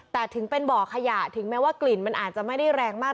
แต่ถึงเป็นบ่อขยะถึงแม้ว่ากลิ่นมันอาจจะไม่ได้แรงมาก